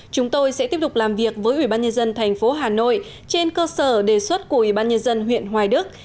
chúng tôi sẽ tiếp tục làm việc với ubnd thành phố hà nội trên cơ sở đề xuất của ubnd huyện hoài đức